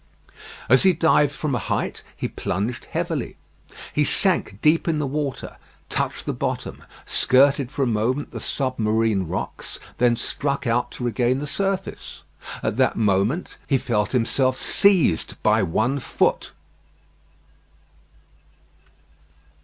As he dived from a height, he plunged heavily. He sank deep in the water, touched the bottom, skirted for a moment the submarine rocks, then struck out to regain the surface. At that moment he felt himself seized by one foot.